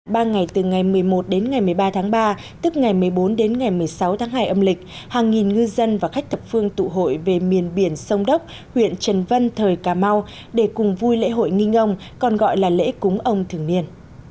ba ngày từ ngày một mươi một đến ngày một mươi ba tháng ba tức ngày một mươi bốn đến ngày một mươi sáu tháng hai âm lịch hàng nghìn ngư dân và khách thập phương tụ hội về miền biển sông đốc huyện trần văn thời cà mau để cùng vui lễ hội nghi ông còn gọi là lễ cúng ông thường niên